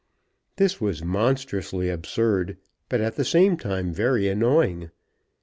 This was monstrously absurd, but at the same time very annoying.